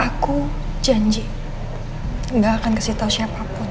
aku janji gak akan kasih tahu siapapun